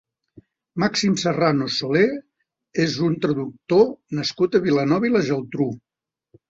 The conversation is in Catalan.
Màxim Serranos Soler és un traductor nascut a Vilanova i la Geltrú.